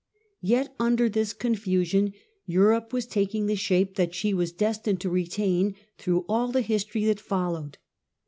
Yet under this confusion Europe was taking the shape that she was destined to retain through all the history that followed.